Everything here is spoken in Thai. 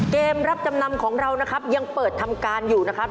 เกมรับจำนำของเรานะครับยังเปิดทำการอยู่นะครับ